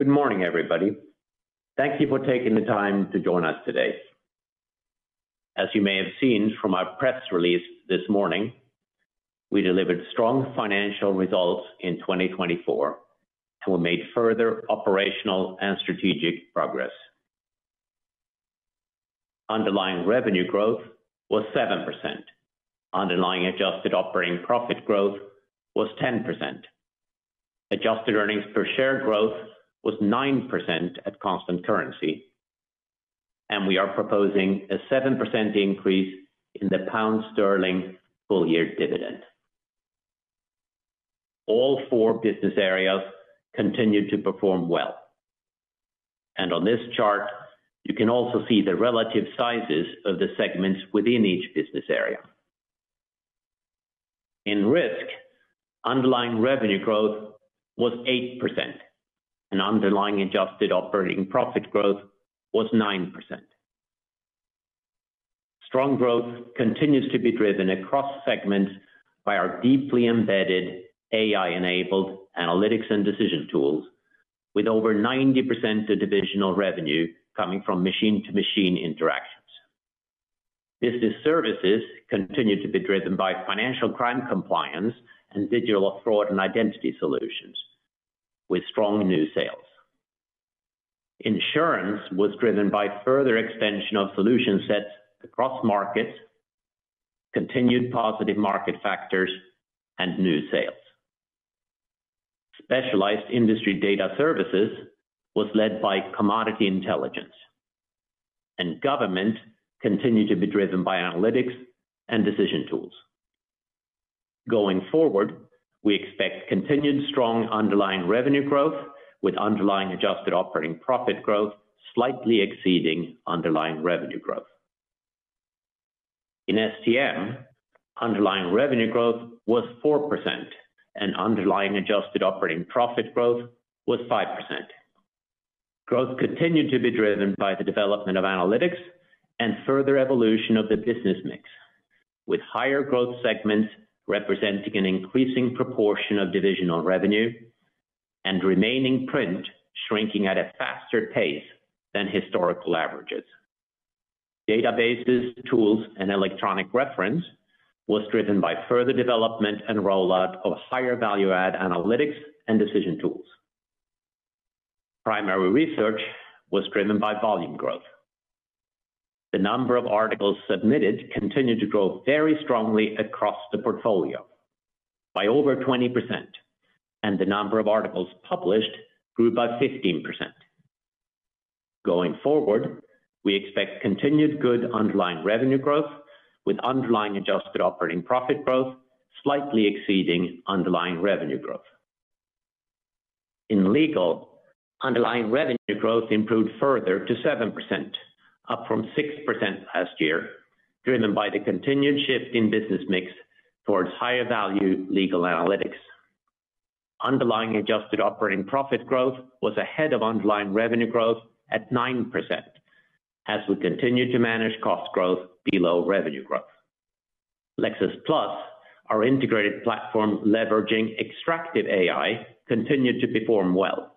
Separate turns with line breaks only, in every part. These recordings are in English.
Good morning, everybody. Thank you for taking the time to join us today. As you may have seen from our press release this morning, we delivered strong financial results in 2024 and we made further operational and strategic progress. Underlying revenue growth was 7%. Underlying adjusted operating profit growth was 10%. Adjusted earnings per share growth was 9% at constant currency, and we are proposing a 7% increase in the pound sterling full-year dividend. All four business areas continued to perform well, and on this chart, you can also see the relative sizes of the segments within each business area. In Risk, underlying revenue growth was 8%, and underlying adjusted operating profit growth was 9%. Strong growth continues to be driven across segments by our deeply embedded AI-enabled analytics and decision tools, with over 90% of divisional revenue coming from machine-to-machine interactions. Business services continue to be driven by financial crime compliance and digital fraud and identity solutions, with strong new sales. Insurance was driven by further extension of solution sets across markets, continued positive market factors, and new sales. Specialized industry data services was led by commodity intelligence, and government continued to be driven by analytics and decision tools. Going forward, we expect continued strong underlying revenue growth, with underlying adjusted operating profit growth slightly exceeding underlying revenue growth. In STM, underlying revenue growth was 4%, and underlying adjusted operating profit growth was 5%. Growth continued to be driven by the development of analytics and further evolution of the business mix, with higher growth segments representing an increasing proportion of divisional revenue and remaining print shrinking at a faster pace than historical averages. Databases, tools, and electronic reference were driven by further development and rollout of higher value-add analytics and decision tools. Primary research was driven by volume growth. The number of articles submitted continued to grow very strongly across the portfolio by over 20%, and the number of articles published grew by 15%. Going forward, we expect continued good underlying revenue growth, with underlying adjusted operating profit growth slightly exceeding underlying revenue growth. In Legal, underlying revenue growth improved further to 7%, up from 6% last year, driven by the continued shift in business mix towards higher value legal analytics. Underlying adjusted operating profit growth was ahead of underlying revenue growth at 9%, as we continue to manage cost growth below revenue growth. Lexis+, our integrated platform leveraging extractive AI, continued to perform well,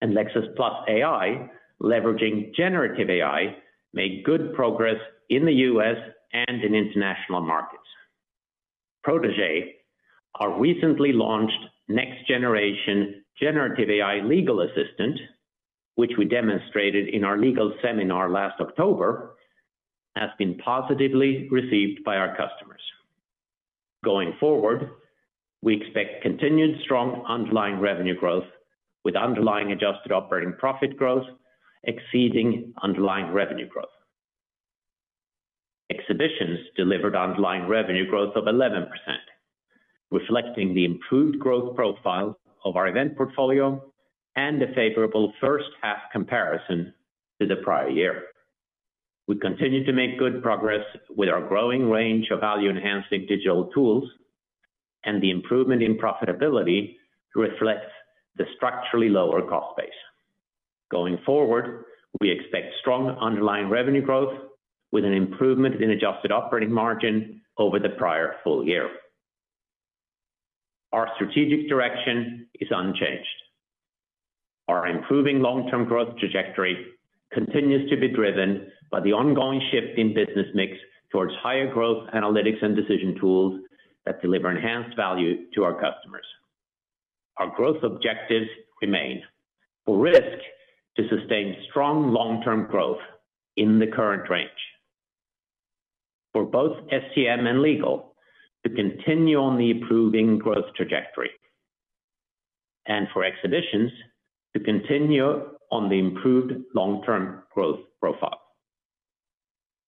and Lexis+ AI leveraging generative AI made good progress in the U.S. and in international markets. Protégé, our recently launched next-generation generative AI legal assistant, which we demonstrated in our Legal Seminar last October, has been positively received by our customers. Going forward, we expect continued strong underlying revenue growth, with underlying adjusted operating profit growth exceeding underlying revenue growth. Exhibitions delivered underlying revenue growth of 11%, reflecting the improved growth profile of our event portfolio and a favorable first-half comparison to the prior year. We continue to make good progress with our growing range of value-enhancing digital tools, and the improvement in profitability reflects the structurally lower cost base. Going forward, we expect strong underlying revenue growth, with an improvement in adjusted operating margin over the prior full year. Our strategic direction is unchanged. Our improving long-term growth trajectory continues to be driven by the ongoing shift in business mix towards higher growth analytics and decision tools that deliver enhanced value to our customers. Our growth objectives remain. For Risk, to sustain strong long-term growth in the current range. For both STM and Legal, to continue on the improving growth trajectory, and for Exhibitions, to continue on the improved long-term growth profile.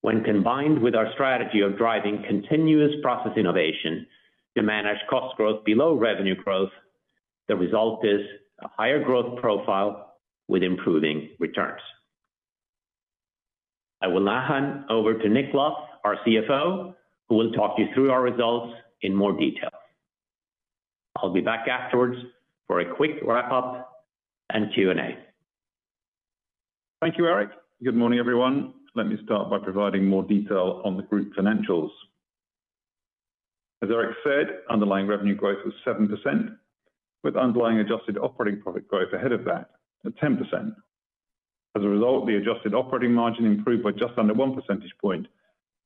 When combined with our strategy of driving continuous process innovation to manage cost growth below revenue growth, the result is a higher growth profile with improving returns. I will now hand over to Nick Luff, our CFO, who will talk you through our results in more detail. I'll be back afterwards for a quick wrap-up and Q&A.
Thank you, Erik. Good morning, everyone. Let me start by providing more detail on the group financials. As Erik said, underlying revenue growth was 7%, with underlying adjusted operating profit growth ahead of that at 10%. As a result, the adjusted operating margin improved by just under one percentage point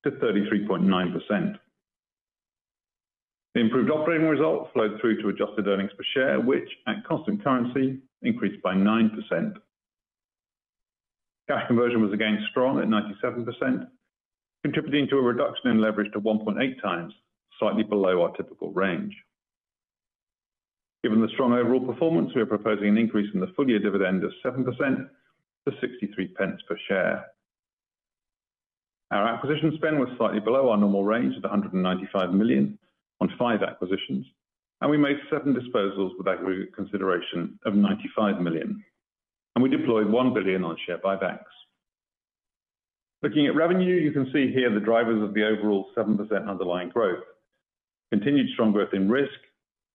to 33.9%. The improved operating result flowed through to adjusted earnings per share, which, at constant currency, increased by 9%. Cash conversion was again strong at 97%, contributing to a reduction in leverage to 1.8 times, slightly below our typical range. Given the strong overall performance, we are proposing an increase in the full-year dividend of 7% to 0.63 per share. Our acquisition spend was slightly below our normal range of 195 million on five acquisitions, and we made seven disposals with aggregate consideration of 95 million, and we deployed one billion on share buybacks. Looking at revenue, you can see here the drivers of the overall 7% underlying growth: continued strong growth in Risk,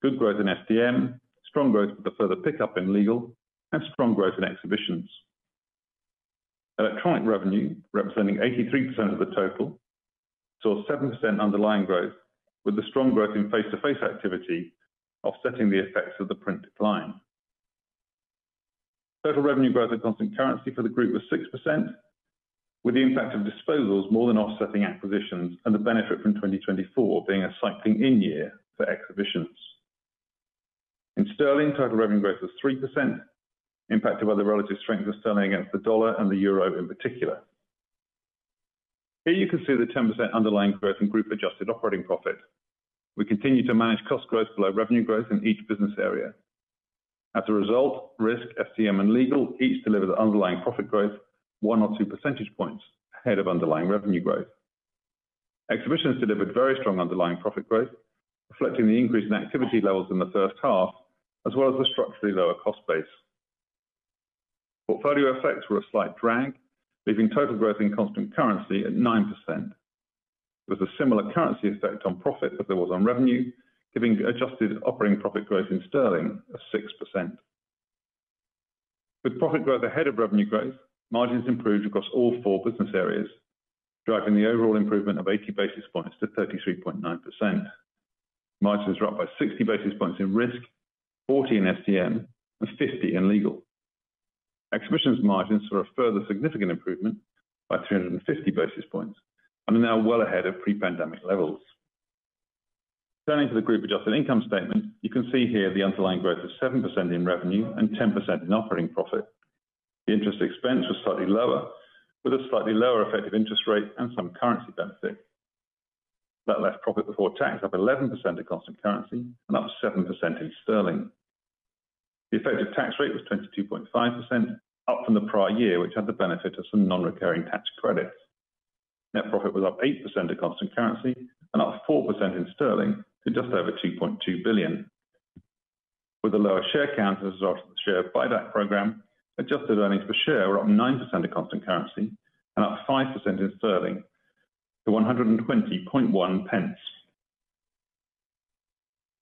good growth in STM, strong growth with a further pickup in Legal, and strong growth in Exhibitions. Electronic revenue, representing 83% of the total, saw 7% underlying growth, with the strong growth in face-to-face activity offsetting the effects of the print decline. Total revenue growth at constant currency for the group was 6%, with the impact of disposals more than offsetting acquisitions and the benefit from 2024 being a cycling in-year for Exhibitions. In sterling, total revenue growth was 3%, impacted by the relative strength of sterling against the dollar and the euro in particular. Here you can see the 10% underlying growth in group-adjusted operating profit. We continue to manage cost growth below revenue growth in each business area. As a result, Risk, STM, and Legal each delivered underlying profit growth one or two percentage points ahead of underlying revenue growth. Exhibitions delivered very strong underlying profit growth, reflecting the increase in activity levels in the first half, as well as the structurally lower cost base. Portfolio effects were a slight drag, leaving total growth in constant currency at 9%. There was a similar currency effect on profit as there was on revenue, giving adjusted operating profit growth in sterling a 6%. With profit growth ahead of revenue growth, margins improved across all four business areas, driving the overall improvement of 80 basis points to 33.9%. Margins were up by 60 basis points in Risk, 40 in STM, and 50 in Legal. Exhibitions margins saw a further significant improvement by 350 basis points and are now well ahead of pre-pandemic levels. Turning to the group-adjusted income statement, you can see here the underlying growth of 7% in revenue and 10% in operating profit. The interest expense was slightly lower, with a slightly lower effective interest rate and some currency benefit. That left profit before tax up 11% at constant currency and up 7% in sterling. The effective tax rate was 22.5%, up from the prior year, which had the benefit of some non-recurring tax credits. Net profit was up 8% at constant currency and up 4% in sterling to just over 2.2 billion. With a lower share count as a result of the share buyback program, adjusted earnings per share were up 9% at constant currency and up 5% in sterling to 120.1 pence.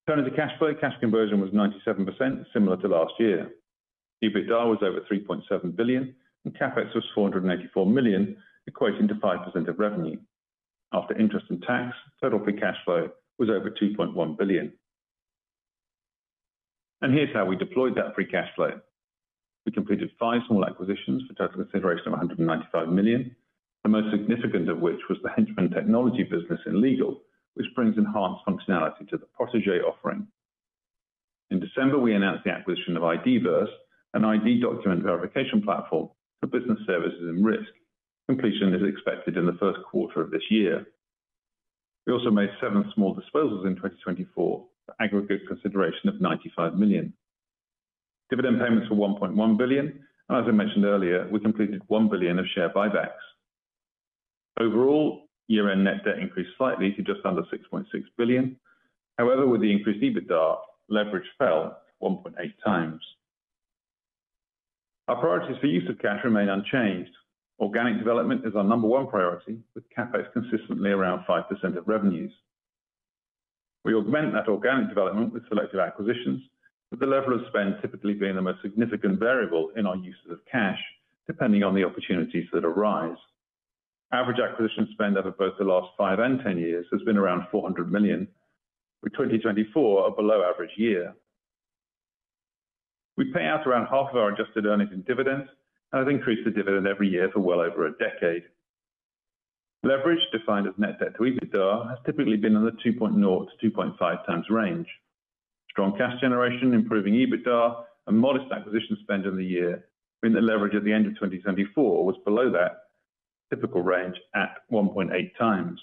Turning to cash flow, cash conversion was 97%, similar to last year. EBITDA was over 3.7 billion, and CapEx was 484 million, equating to 5% of revenue. After interest and tax, total free cash flow was over 2.1 billion. And here's how we deployed that free cash flow. We completed five small acquisitions for total consideration of 195 million, the most significant of which was the Henchman technology business in Legal, which brings enhanced functionality to the Protégé offering. In December, we announced the acquisition of IDVerse, an ID document verification platform for business services in Risk. Completion is expected in the first quarter of this year. We also made seven small disposals in 2024 for aggregate consideration of 95 million. Dividend payments were 1.1 billion, and as I mentioned earlier, we completed 1 billion of share buybacks. Overall, year-end net debt increased slightly to just under 6.6 billion. However, with the increased EBITDA, leverage fell 1.8 times. Our priorities for use of cash remain unchanged. Organic development is our number one priority, with CapEx consistently around 5% of revenues. We augment that organic development with selective acquisitions, with the level of spend typically being the most significant variable in our uses of cash, depending on the opportunities that arise. Average acquisition spend over both the last five and ten years has been around 400 million, with 2024 a below-average year. We pay out around half of our adjusted earnings in dividends and have increased the dividend every year for well over a decade. Leverage, defined as net debt to EBITDA, has typically been in the 2.0-2.5 times range. Strong cash generation, improving EBITDA, and modest acquisition spend in the year mean that leverage at the end of 2024 was below that typical range at 1.8 times.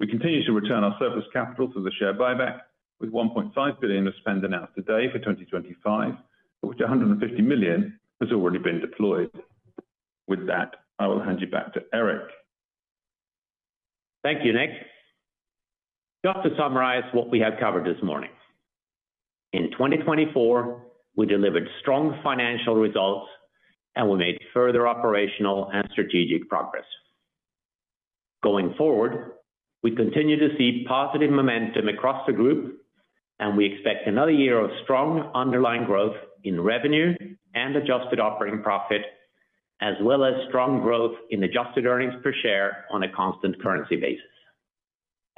We continue to return our surplus capital through the share buyback, with 1.5 billion of spend announced today for 2025, of which 150 million has already been deployed. With that, I will hand you back to Erik.
Thank you, Nick. Just to summarize what we have covered this morning, in 2024, we delivered strong financial results and we made further operational and strategic progress. Going forward, we continue to see positive momentum across the group, and we expect another year of strong underlying growth in revenue and adjusted operating profit, as well as strong growth in adjusted earnings per share on a constant currency basis.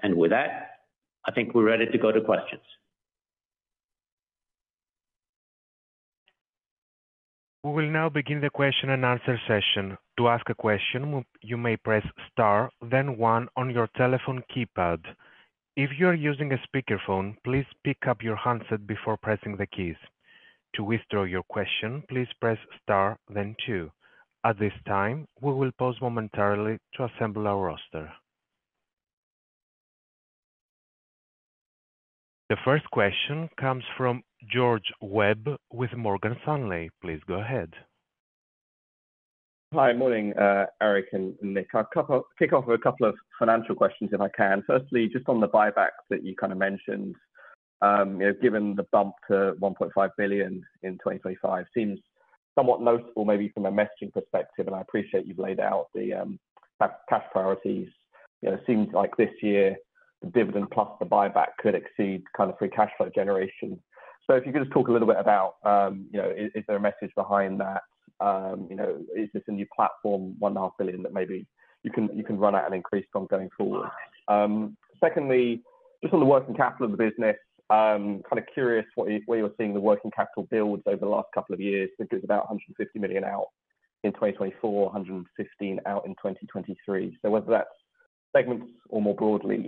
And with that, I think we're ready to go to questions.
We will now begin the question and answer session. To ask a question, you may press Star, then 1 on your telephone keypad. If you are using a speakerphone, please pick up your handset before pressing the keys. To withdraw your question, please press Star, then 2. At this time, we will pause momentarily to assemble our roster. The first question comes from George Webb with Morgan Stanley. Please go ahead.
Hi, morning, Erik and Nick. I'll kick off with a couple of financial questions, if I can. Firstly, just on the buybacks that you kind of mentioned, given the bump to 1.5 billion in 2025, it seems somewhat noticeable maybe from a messaging perspective, and I appreciate you've laid out the cash priorities. It seems like this year, the dividend plus the buyback could exceed kind of free cash flow generation. So if you could just talk a little bit about, is there a message behind that? Is this a new platform, 1.5 billion, that maybe you can run at and increase from going forward? Secondly, just on the working capital of the business, kind of curious where you're seeing the working capital build over the last couple of years. I think it was about 150 million out in 2024, 115 million out in 2023. So whether that's segments or more broadly,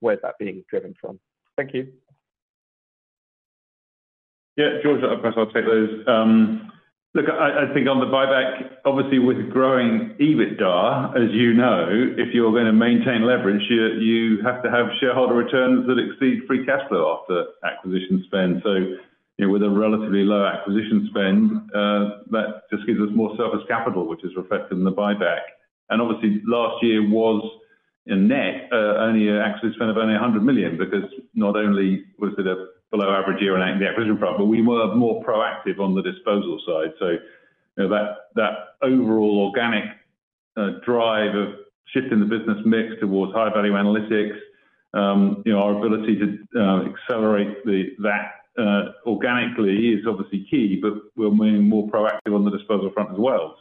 where's that being driven from? Thank you.
Yeah, George, I'll take those. Look, I think on the buyback, obviously with growing EBITDA, as you know, if you're going to maintain leverage, you have to have shareholder returns that exceed free cash flow after acquisition spend. So with a relatively low acquisition spend, that just gives us more surplus capital, which is reflected in the buyback. And obviously, last year was a net acquisition spend of only 100 million because not only was it a below-average year on the acquisition front, but we were more proactive on the disposal side. So that overall organic drive of shifting the business mix towards high-value analytics, our ability to accelerate that organically is obviously key, but we're moving more proactive on the disposal front as well.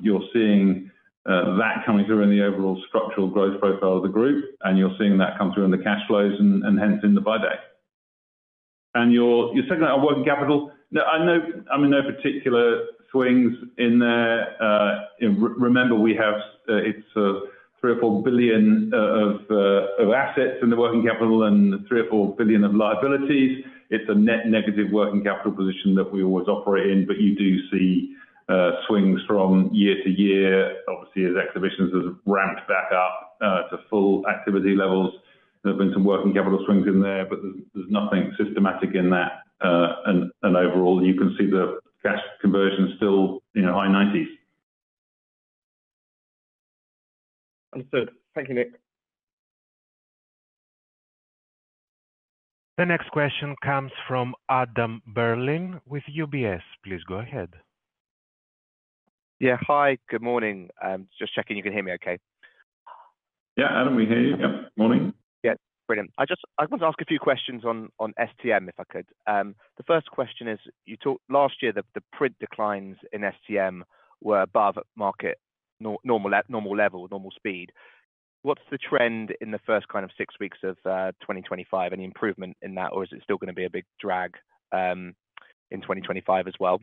You're seeing that coming through in the overall structural growth profile of the group, and you're seeing that come through in the cash flows and hence in the buyback. And you're talking about working capital. I know there's no particular swings in there. Remember, we have sort of three or four billion of assets in the working capital and three or four billion of liabilities. It's a net negative working capital position that we always operate in, but you do see swings from year to year, obviously as Exhibitions have ramped back up to full activity levels. There have been some working capital swings in there, but there's nothing systematic in that. And overall, you can see the cash conversion is still in the high 90s.
Understood. Thank you, Nick.
The next question comes from Adam Berlin with UBS. Please go ahead.
Yeah, hi, good morning. Just checking you can hear me okay.
Yeah, Adam, we hear you. Yeah, morning.
Yeah, brilliant. I just want to ask a few questions on STM, if I could. The first question is, you talked last year that the print declines in STM were above market normal level, normal speed. What's the trend in the first kind of six weeks of 2025? Any improvement in that, or is it still going to be a big drag in 2025 as well?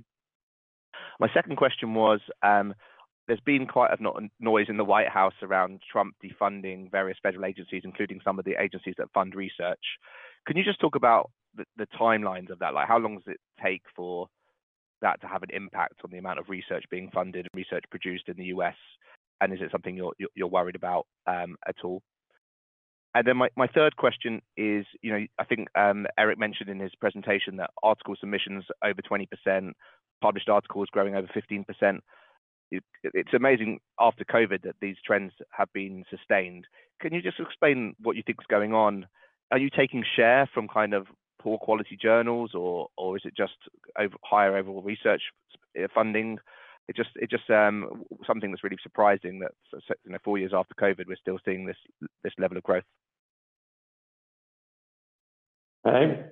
My second question was, there's been quite a lot of noise in the White House around Trump defunding various federal agencies, including some of the agencies that fund research. Can you just talk about the timelines of that? How long does it take for that to have an impact on the amount of research being funded? Research produced in the U.S., and is it something you're worried about at all? And then my third question is, I think Erik mentioned in his presentation that article submissions over 20%, published articles growing over 15%. It's amazing after COVID that these trends have been sustained. Can you just explain what you think is going on? Are you taking share from kind of poor quality journals, or is it just higher overall research funding? It's just something that's really surprising that four years after COVID, we're still seeing this level of growth.
Okay.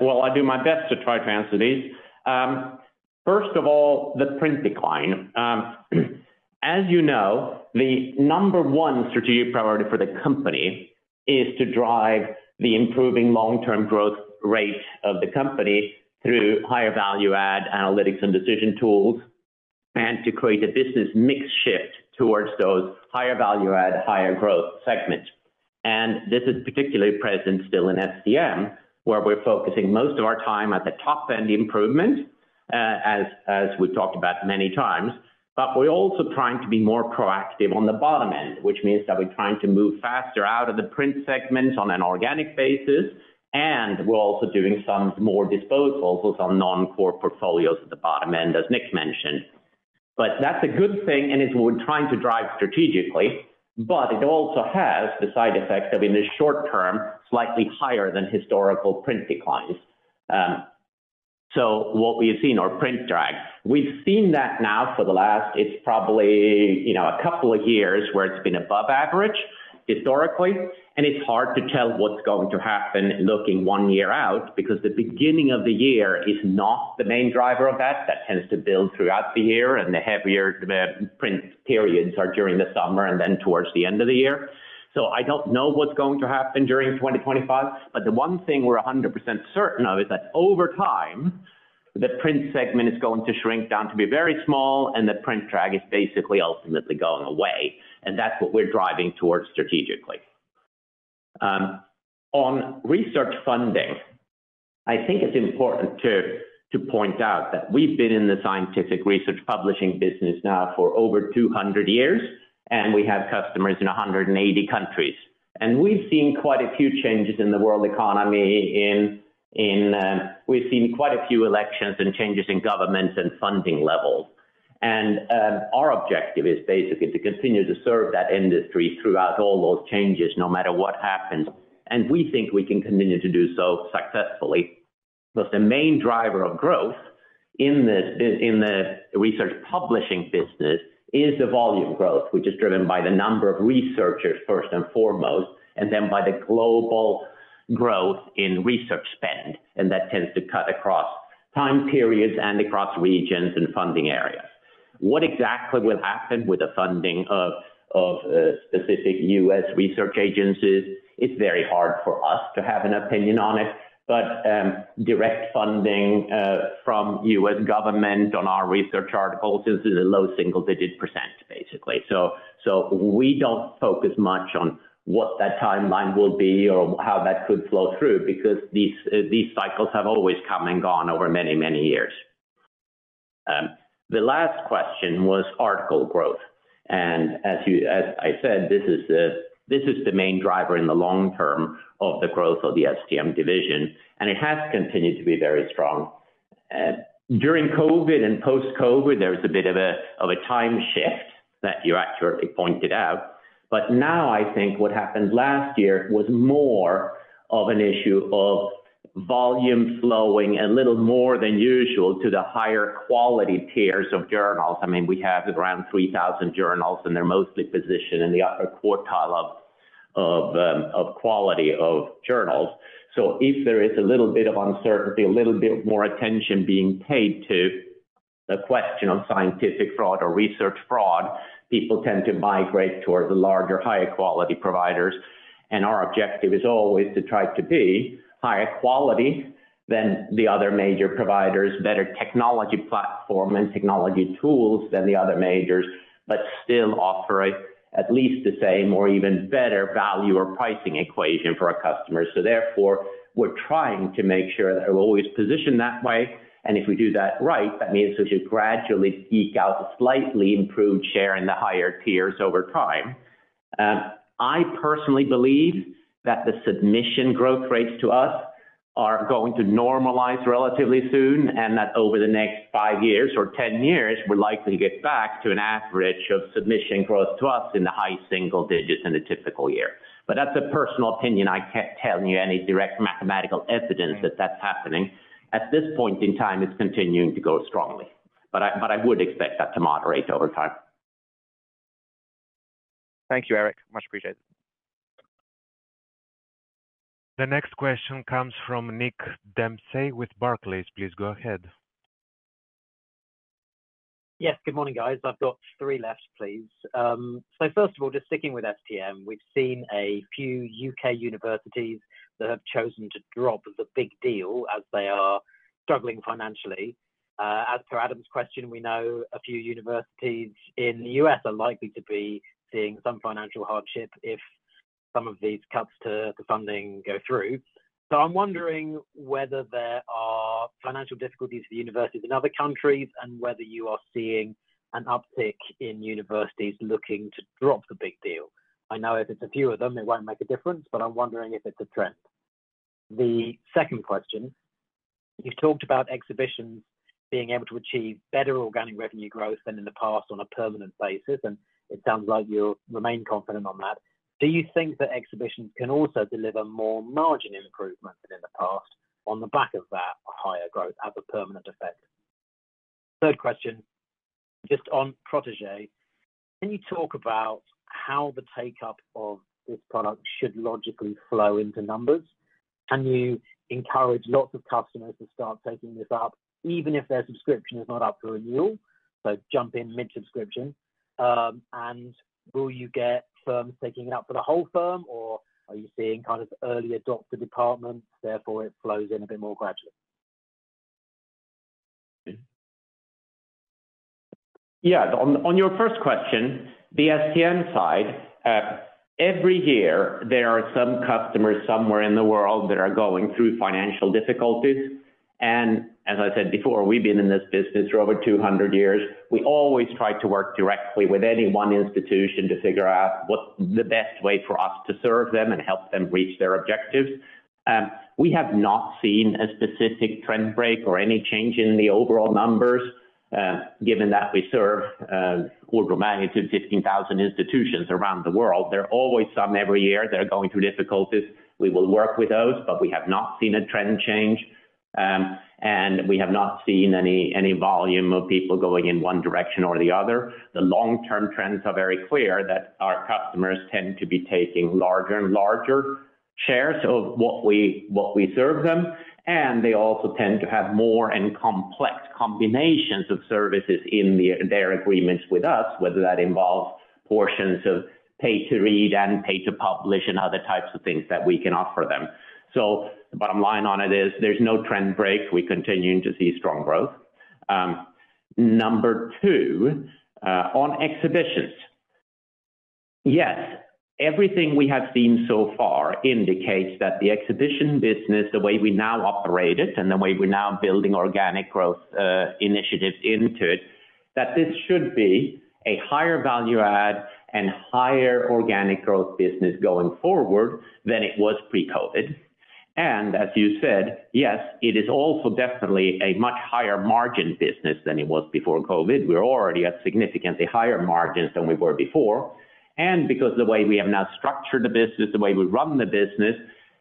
Well, I do my best to try to answer these. First of all, the print decline. As you know, the number one strategic priority for the company is to drive the improving long-term growth rate of the company through higher value-add analytics and decision tools and to create a business mix shift towards those higher value-add, higher growth segments. And this is particularly present still in STM, where we're focusing most of our time at the top-end improvement, as we've talked about many times. But we're also trying to be more proactive on the bottom end, which means that we're trying to move faster out of the print segments on an organic basis. And we're also doing some more disposals or some non-core portfolios at the bottom end, as Nick mentioned. But that's a good thing, and it's what we're trying to drive strategically. But it also has the side effect of, in the short term, slightly higher than historical print declines. So what we have seen are print drags. We've seen that now for the last, it's probably a couple of years where it's been above average historically. And it's hard to tell what's going to happen looking one year out because the beginning of the year is not the main driver of that. That tends to build throughout the year, and the heavier print periods are during the summer and then towards the end of the year. So I don't know what's going to happen during 2025, but the one thing we're 100% certain of is that over time, the print segment is going to shrink down to be very small, and the print drag is basically ultimately going away. And that's what we're driving towards strategically. On research funding, I think it's important to point out that we've been in the scientific research publishing business now for over 200 years, and we have customers in 180 countries. And we've seen quite a few changes in the world economy. We've seen quite a few elections and changes in governments and funding levels. And our objective is basically to continue to serve that industry throughout all those changes, no matter what happens. And we think we can continue to do so successfully. Because the main driver of growth in the research publishing business is the volume growth, which is driven by the number of researchers first and foremost, and then by the global growth in research spend. And that tends to cut across time periods and across regions and funding areas. What exactly will happen with the funding of specific U.S. research agencies? It's very hard for us to have an opinion on it. But direct funding from U.S. government on our research articles is a low single-digit percentage, basically. So we don't focus much on what that timeline will be or how that could flow through because these cycles have always come and gone over many, many years. The last question was article growth, and as I said, this is the main driver in the long term of the growth of the STM division, and it has continued to be very strong. During COVID and post-COVID, there was a bit of a time shift that you accurately pointed out, but now I think what happened last year was more of an issue of volume flowing a little more than usual to the higher quality tiers of journals. I mean, we have around 3,000 journals, and they're mostly positioned in the upper quartile of quality of journals. So if there is a little bit of uncertainty, a little bit more attention being paid to the question of scientific fraud or research fraud, people tend to migrate towards the larger, higher quality providers. And our objective is always to try to be higher quality than the other major providers, better technology platform and technology tools than the other majors, but still offer at least the same or even better value or pricing equation for our customers. So therefore, we're trying to make sure that we're always positioned that way. And if we do that right, that means we should gradually eke out a slightly improved share in the higher tiers over time. I personally believe that the submission growth rates to us are going to normalize relatively soon and that over the next five years or 10 years, we're likely to get back to an average of submission growth to us in the high single digits in a typical year. But that's a personal opinion. I can't tell you any direct mathematical evidence that that's happening. At this point in time, it's continuing to go strongly. But I would expect that to moderate over time.
Thank you, Erik. Much appreciated.
The next question comes from Nick Dempsey with Barclays. Please go ahead.
Yes, good morning, guys. I've got three left, please. So first of all, just sticking with STM, we've seen a few U.K. universities that have chosen to drop the big deal as they are struggling financially. As per Adam's question, we know a few universities in the U.S. are likely to be seeing some financial hardship if some of these cuts to funding go through. So I'm wondering whether there are financial difficulties for universities in other countries and whether you are seeing an uptick in universities looking to drop the big deal. I know if it's a few of them, it won't make a difference, but I'm wondering if it's a trend. The second question, you've talked about Exhibitions being able to achieve better organic revenue growth than in the past on a permanent basis, and it sounds like you remain confident on that. Do you think that Exhibitions can also deliver more margin improvement than in the past on the back of that higher growth as a permanent effect? Third question, just on Protégé, can you talk about how the take-up of this product should logically flow into numbers? Can you encourage lots of customers to start taking this up, even if their subscription is not up for renewal? So jump in mid-subscription. And will you get firms taking it up for the whole firm, or are you seeing kind of early adopter departments? Therefore, it flows in a bit more gradually.
Yeah, on your first question, the STM side, every year, there are some customers somewhere in the world that are going through financial difficulties. And as I said before, we've been in this business for over 200 years. We always try to work directly with any one institution to figure out what's the best way for us to serve them and help them reach their objectives. We have not seen a specific trend break or any change in the overall numbers, given that we serve up to 15,000 institutions around the world. There are always some every year that are going through difficulties. We will work with those, but we have not seen a trend change. And we have not seen any volume of people going in one direction or the other. The long-term trends are very clear that our customers tend to be taking larger and larger shares of what we serve them. And they also tend to have more and complex combinations of services in their agreements with us, whether that involves portions of pay-to-read and pay-to-publish and other types of things that we can offer them. So the bottom line on it is there's no trend break. We continue to see strong growth. Number two, on Exhibitions, yes, everything we have seen so far indicates that the exhibition business, the way we now operate it and the way we're now building organic growth initiatives into it, that this should be a higher value-add and higher organic growth business going forward than it was pre-COVID. And as you said, yes, it is also definitely a much higher margin business than it was before COVID. We're already at significantly higher margins than we were before. And because of the way we have now structured the business, the way we run the business,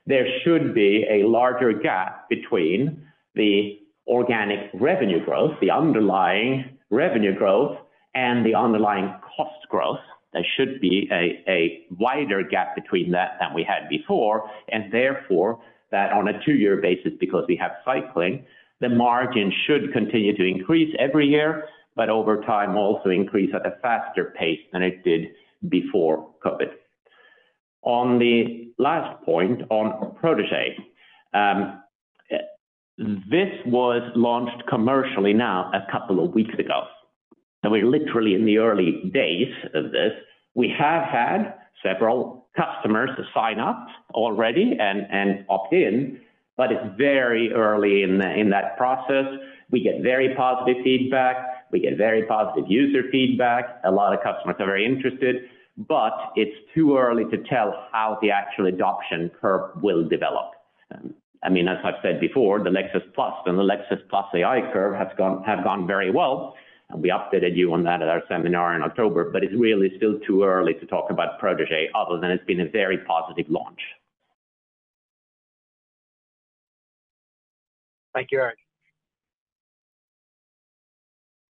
there should be a larger gap between the organic revenue growth, the underlying revenue growth, and the underlying cost growth. There should be a wider gap between that than we had before. And therefore, that on a two-year basis, because we have cycling, the margin should continue to increase every year, but over time also increase at a faster pace than it did before COVID. On the last point on Protégé, this was launched commercially now a couple of weeks ago. So we're literally in the early days of this. We have had several customers sign up already and opt in, but it's very early in that process. We get very positive feedback. We get very positive user feedback. A lot of customers are very interested, but it's too early to tell how the actual adoption curve will develop. I mean, as I've said before, the Lexis+ and the Lexis+ AI curve have gone very well, and we updated you on that at our seminar in October, but it's really still too early to talk about Protégé other than it's been a very positive launch.
Thank you, Erik.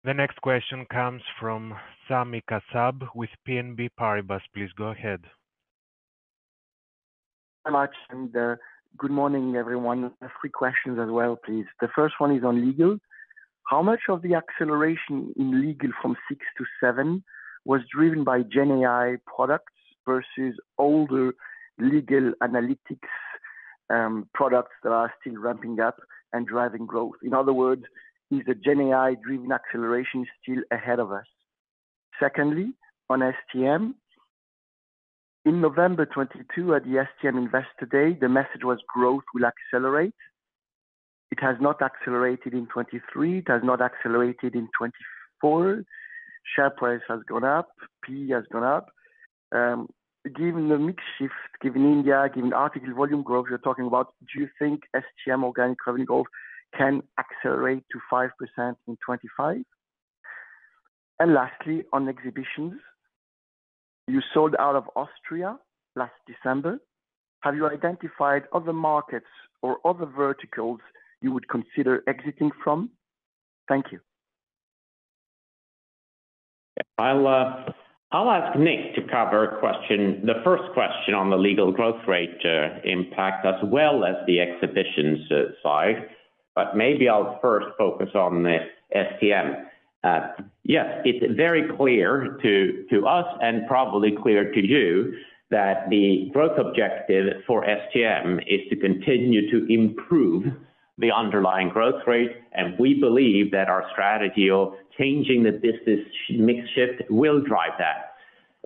The next question comes from Sami Kassab with BNP Paribas. Please go ahead.
Hi Mark. Good morning, everyone. A few questions as well, please. The first one is on Legal. How much of the acceleration in Legal from 6%-7% was driven by GenAI products versus older Legal analytics products that are still ramping up and driving growth? In other words, is the GenAI-driven acceleration still ahead of us? Secondly, on STM, in November 2022 at the STM Investor Day, the message was growth will accelerate. It has not accelerated in 2023. It has not accelerated in 2024. Share price has gone up. PE has gone up. Given the mix shift, given India, given article volume growth you're talking about, do you think STM organic revenue growth can accelerate to 5% in 2025? And lastly, on Exhibitions, you sold out of Austria last December. Have you identified other markets or other verticals you would consider exiting from? Thank you.
I'll ask Nick to cover a question, the first question on the Legal growth rate impact as well as the Exhibitions side, but maybe I'll first focus on the STM. Yes, it's very clear to us and probably clear to you that the growth objective for STM is to continue to improve the underlying growth rate, and we believe that our strategy of changing the business mix shift will drive that.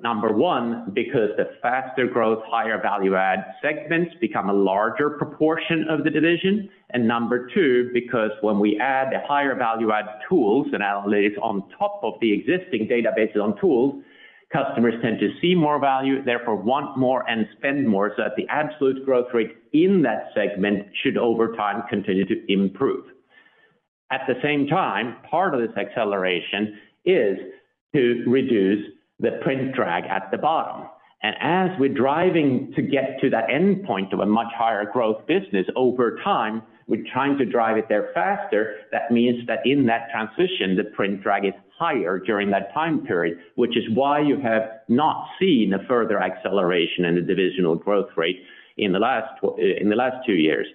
Number one, because the faster growth, higher value-add segments become a larger proportion of the division, and number two, because when we add the higher value-add tools and analytics on top of the existing databases on tools, customers tend to see more value, therefore want more and spend more. So that the absolute growth rate in that segment should over time continue to improve. At the same time, part of this acceleration is to reduce the print drag at the bottom, and as we're driving to get to that end point of a much higher growth business over time, we're trying to drive it there faster. That means that in that transition, the print drag is higher during that time period, which is why you have not seen a further acceleration in the divisional growth rate in the last two years.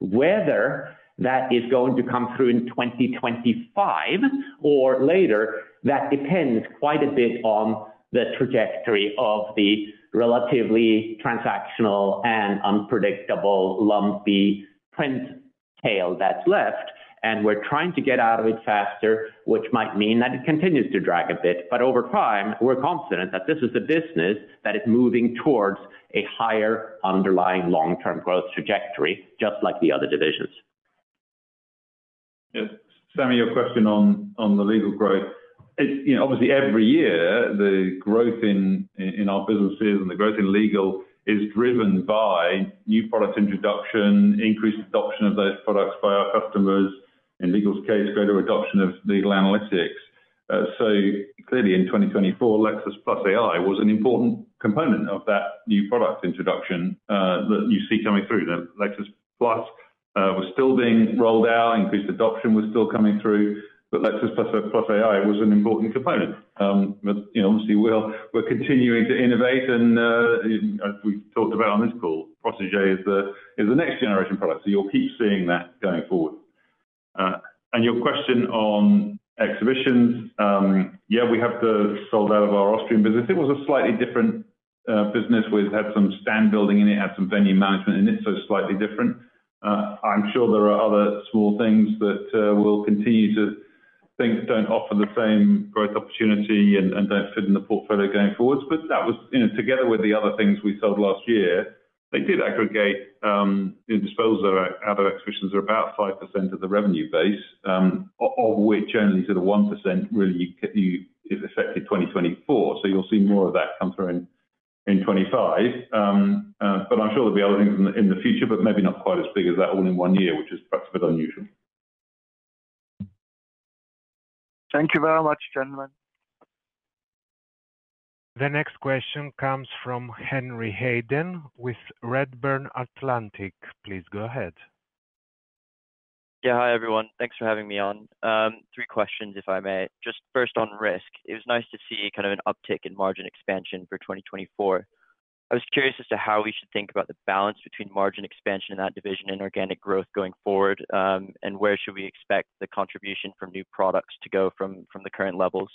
Whether that is going to come through in 2025 or later, that depends quite a bit on the trajectory of the relatively transactional and unpredictable, lumpy print tail that's left, and we're trying to get out of it faster, which might mean that it continues to drag a bit. But over time, we're confident that this is a business that is moving towards a higher underlying long-term growth trajectory, just like the other divisions.
Yes. Sami, your question on the Legal growth. Obviously, every year, the growth in our businesses and the growth in Legal is driven by new product introduction, increased adoption of those products by our customers. In Legal's case, greater adoption of Legal analytics. So clearly, in 2024, Lexis+ AI was an important component of that new product introduction that you see coming through. Lexis+ was still being rolled out. Increased adoption was still coming through. But Lexis+ AI was an important component. Obviously, we're continuing to innovate. As we talked about on this call, Protégé is the next generation product. You'll keep seeing that going forward. Your question on Exhibitions, yeah, we have just sold out of our Austrian business. It was a slightly different business. We had some stand building in it, had some venue management in it, so slightly different. I'm sure there are other small things that will continue to, we think, don't offer the same growth opportunity and don't fit in the portfolio going forward, but that was together with the other things we sold last year. The aggregate disposal out of Exhibitions is about 5% of the revenue base, of which only sort of 1% really affected 2024, so you'll see more of that come through in 2025, but I'm sure there'll be other things in the future, but maybe not quite as big as that all in one year, which is perhaps a bit unusual.
Thank you very much, gentlemen.
The next question comes from Henry Hayden with Redburn Atlantic. Please go ahead.
Yeah, hi everyone. Thanks for having me on. Three questions, if I may. Just first on Risk, it was nice to see kind of an uptick in margin expansion for 2024. I was curious as to how we should think about the balance between margin expansion in that division and organic growth going forward, and where should we expect the contribution from new products to go from the current levels.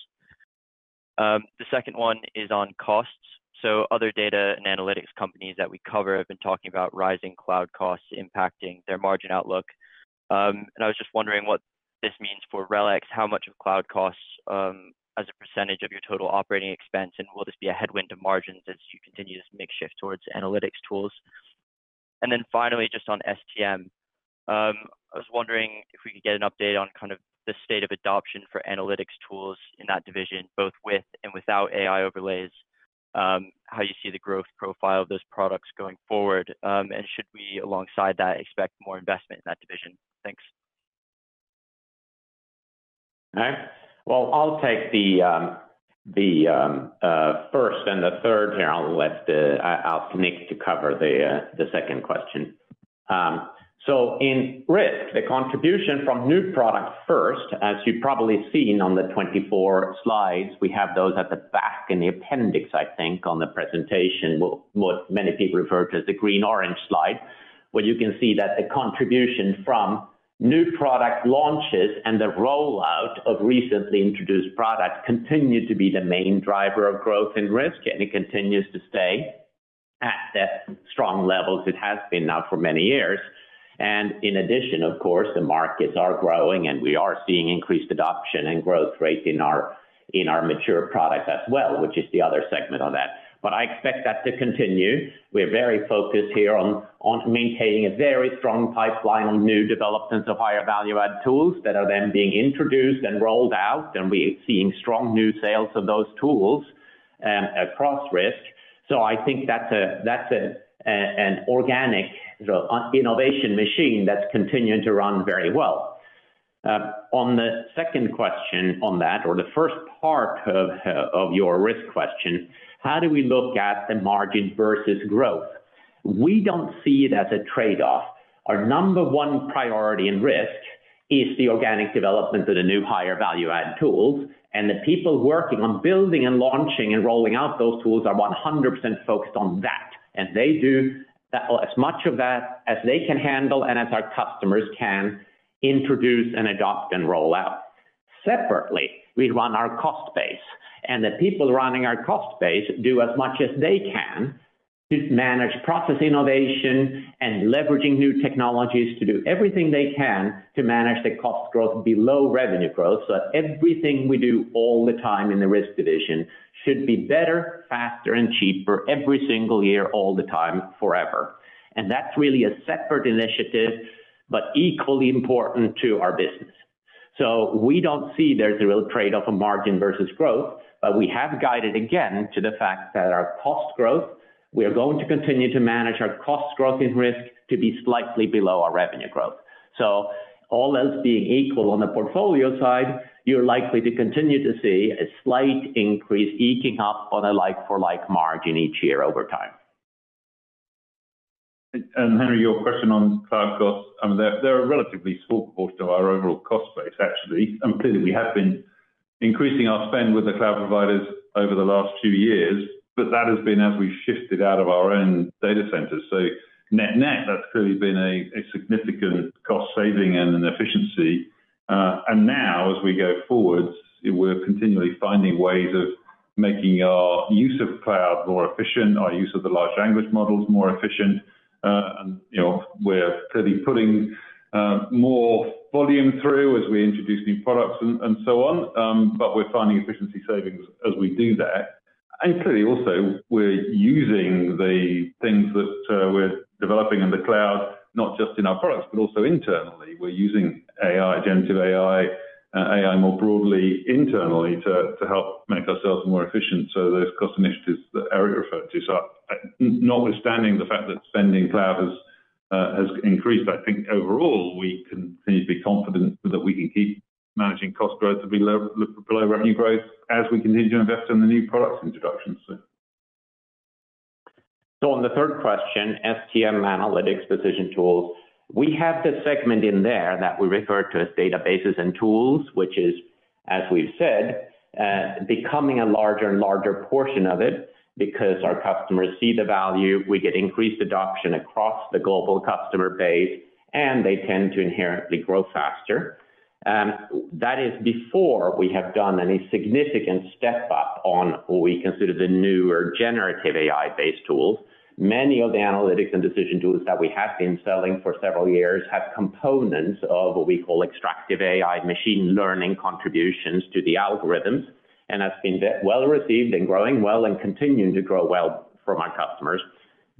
The second one is on costs, so other data and analytics companies that we cover have been talking about rising cloud costs impacting their margin outlook, and I was just wondering what this means for RELX, how much of cloud costs as a percentage of your total operating expense, and will this be a headwind to margins as you continue to make the shift towards analytics tools? Finally, just on STM, I was wondering if we could get an update on kind of the state of adoption for analytics tools in that division, both with and without AI overlays, how you see the growth profile of those products going forward, and should we, alongside that, expect more investment in that division? Thanks.
Okay. Well, I'll take the first and the third here. I'll ask Nick to cover the second question. In Risk, the contribution from new product first, as you've probably seen on the 24 slides, we have those at the back in the appendix, I think, on the presentation, what many people refer to as the green-orange slide, where you can see that the contribution from new product launches and the rollout of recently introduced products continue to be the main driver of growth in Risk, and it continues to stay at the strong levels it has been now for many years, and in addition, of course, the markets are growing, and we are seeing increased adoption and growth rate in our mature products as well, which is the other segment on that. I expect that to continue. We're very focused here on maintaining a very strong pipeline of new developments of higher value-add tools that are then being introduced and rolled out, and we are seeing strong new sales of those tools across Risk. So I think that's an organic innovation machine that's continuing to run very well. On the second question on that, or the first part of your Risk question, how do we look at the margin versus growth? We don't see it as a trade-off. Our number one priority in Risk is the organic development of the new higher value-add tools, and the people working on building and launching and rolling out those tools are 100% focused on that, and they do as much of that as they can handle and as our customers can introduce and adopt and roll out. Separately, we run our cost base, and the people running our cost base do as much as they can to manage process innovation and leveraging new technologies to do everything they can to manage the cost growth below revenue growth. So everything we do all the time in the Risk division should be better, faster, and cheaper every single year, all the time, forever. And that's really a separate initiative, but equally important to our business. So we don't see there's a real trade-off of margin versus growth, but we have guided again to the fact that our cost growth, we are going to continue to manage our cost growth in Risk to be slightly below our revenue growth. So all else being equal on the portfolio side, you're likely to continue to see a slight increase eking up on a like-for-like margin each year over time.
And Henry, your question on cloud costs, they're a relatively small portion of our overall cost base, actually. And clearly, we have been increasing our spend with the cloud providers over the last few years, but that has been as we've shifted out of our own data centers. So net-net, that's clearly been a significant cost saving and an efficiency. And now, as we go forward, we're continually finding ways of making our use of cloud more efficient, our use of the large language models more efficient. And we're clearly putting more volume through as we introduce new products and so on, but we're finding efficiency savings as we do that. And clearly, also, we're using the things that we're developing in the cloud, not just in our products, but also internally. We're using AI, generative AI, AI more broadly internally to help make ourselves more efficient. Those cost initiatives that Erik referred to. Notwithstanding the fact that cloud spending has increased, I think overall, we continue to be confident that we can keep managing cost growth to be below revenue growth as we continue to invest in the new product introductions.
On the third question, STM analytics decision tools, we have the segment in there that we refer to as databases and tools, which is, as we've said, becoming a larger and larger portion of it because our customers see the value. We get increased adoption across the global customer base, and they tend to inherently grow faster. That is before we have done any significant step up on what we consider the newer generative AI-based tools. Many of the analytics and decision tools that we have been selling for several years have components of what we call extractive AI machine learning contributions to the algorithms and have been well received and growing well and continuing to grow well from our customers.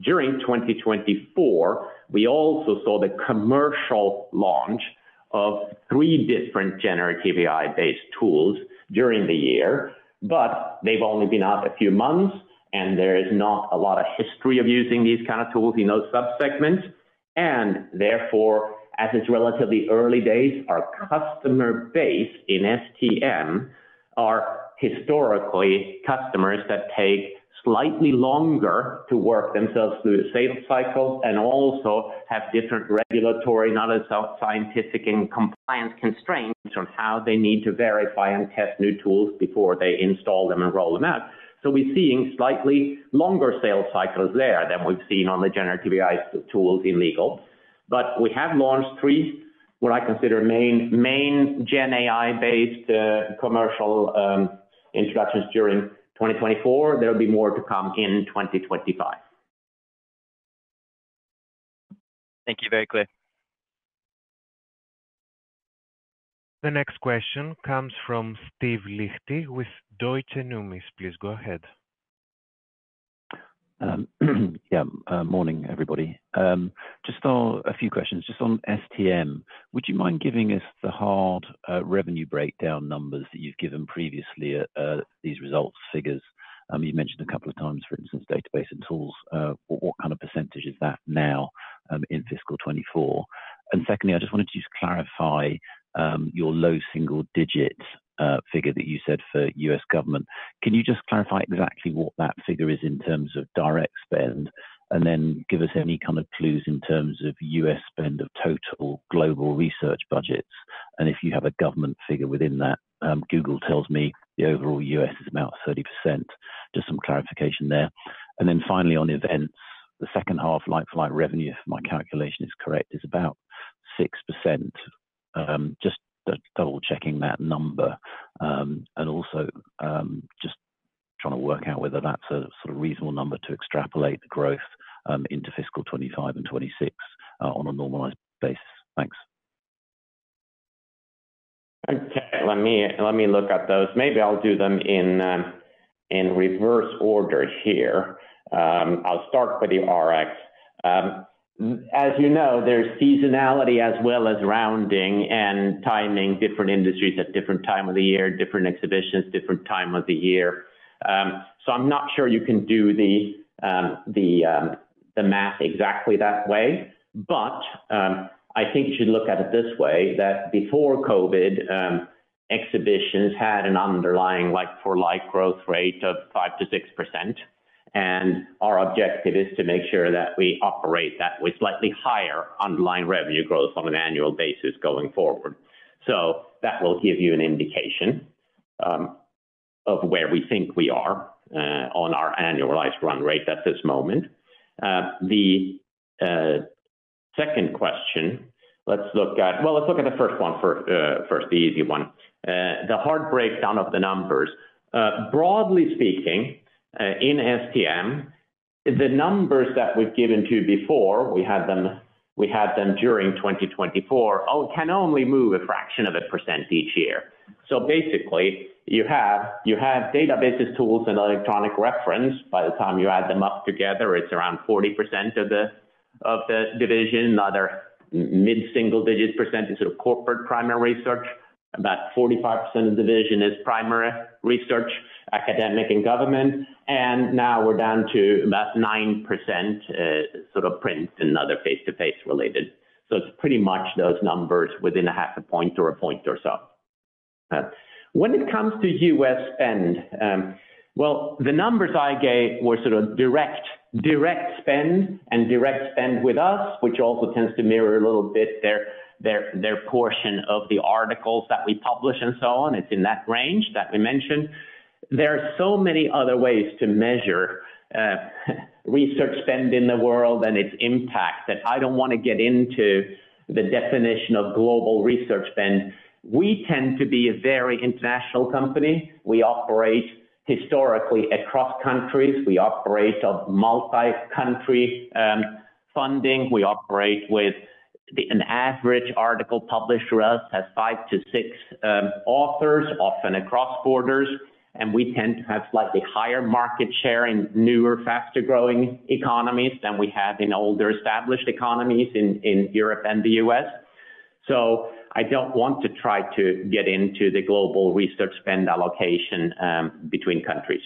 During 2024, we also saw the commercial launch of three different generative AI-based tools during the year, but they've only been out a few months, and there is not a lot of history of using these kinds of tools in those subsegments, and therefore, as it's relatively early days, our customer base in STM are historically customers that take slightly longer to work themselves through the sales cycle and also have different regulatory, not as scientific and compliance constraints on how they need to verify and test new tools before they install them and roll them out, so we're seeing slightly longer sales cycles there than we've seen on the generative AI tools in Legal, but we have launched three, what I consider main gen AI-based commercial introductions during 2024. There will be more to come in 2025.
Thank you. Very clear.
The next question comes from Steve Liechti with Deutsche Numis. Please go ahead.
Yeah. Morning, everybody. Just a few questions. Just on STM, would you mind giving us the hard revenue breakdown numbers that you've given previously, these results figures? You've mentioned a couple of times, for instance, database and tools. What kind of percentage is that now in fiscal 2024? And secondly, I just wanted to clarify your low single-digit figure that you said for U.S. government. Can you just clarify exactly what that figure is in terms of direct spend and then give us any kind of clues in terms of U.S. spend of total global research budgets? And if you have a government figure within that, Google tells me the overall U.S. is about 30%. Just some clarification there. And then finally, on events, the second half, like-for-like revenue, if my calculation is correct, is about 6%. Just double-checking that number and also just trying to work out whether that's a sort of reasonable number to extrapolate the growth into fiscal 2025 and 2026 on a normalized basis. Thanks.
Okay. Let me look at those. Maybe I'll do them in reverse order here. I'll start with the RX. As you know, there's seasonality as well as rounding and timing different industries at different time of the year, different Exhibitions, different time of the year. So I'm not sure you can do the math exactly that way, but I think you should look at it this way that before COVID, Exhibitions had an underlying like-for-like growth rate of 5%-6%. And our objective is to make sure that we operate that with slightly higher underlying revenue growth on an annual basis going forward. So that will give you an indication of where we think we are on our annualized run rate at this moment. The second question, let's look at, well, let's look at the first one first, the easy one. The hard breakdown of the numbers. Broadly speaking, in STM, the numbers that we've given to before, we had them during 2024, can only move a fraction of a percent each year. So basically, you have databases, tools, and electronic reference. By the time you add them up together, it's around 40% of the division, another mid-single-digit percentage of corporate primary research. About 45% of the division is primary research, academic, and government, and now we're down to about 9% sort of print and other face-to-face related. So it's pretty much those numbers within a half a point or a point or so. When it comes to U.S. spend, well, the numbers I gave were sort of direct spend and direct spend with us, which also tends to mirror a little bit their portion of the articles that we publish and so on. It's in that range that we mentioned. There are so many other ways to measure research spend in the world and its impact that I don't want to get into the definition of global research spend. We tend to be a very international company. We operate historically across countries. We operate on multi-country funding. We operate with an average article published through us has five to six authors, often across borders, and we tend to have slightly higher market share in newer, faster-growing economies than we had in older established economies in Europe and the U.S., so I don't want to try to get into the global research spend allocation between countries.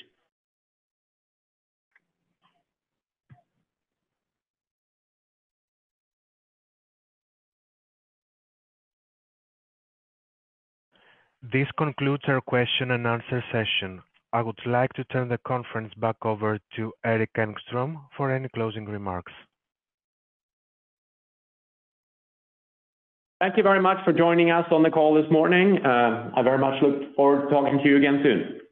This concludes our question and answer session. I would like to turn the conference back over to Erik Engström for any closing remarks.
Thank you very much for joining us on the call this morning. I very much look forward to talking to you again soon.